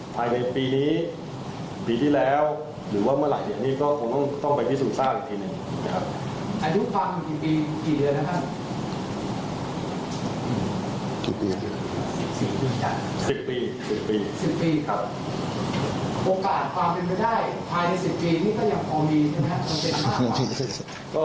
โอกาสความเป็นไปได้ภายใน๑๐ปีนี่ก็ยังพอมีใช่ไหมครับ